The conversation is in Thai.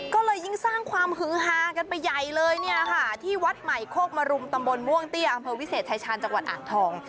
ก็เลยยิ่งสร้างความฮือฮากันไปใหญ่เลยเนี่ยค่ะที่วัดใหม่โคกมรุมตำบลม่วงเตี้ยอำเภอวิเศษชายชาญจังหวัดอ่างทอง